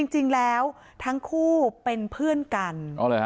จริงแล้วทั้งคู่เป็นเพื่อนกัน